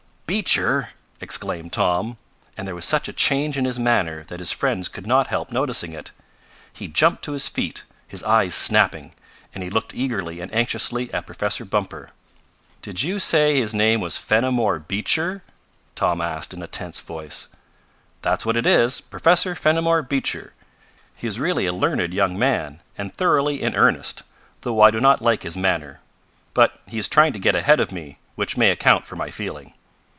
"Beecher!" exclaimed Tom, and there was such a change in his manner that his friends could not help noticing it. He jumped to his feet, his eyes snapping, and he looked eagerly and anxiously at Professor Bumper. "Did you say his name was Fenimore Beecher?" Tom asked in a tense voice. "That's what it is Professor Fenimore Beecher. He is really a learned young man, and thoroughly in earnest, though I do not like his manner. But he is trying to get ahead of me, which may account for my feeling."